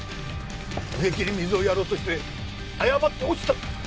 植木に水をやろうとして誤って落ちたんです！